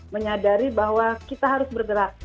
menyadari bahwa kita harus bergerak